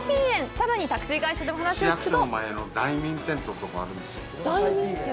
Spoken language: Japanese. さらにタクシー会社でも話を聞くと。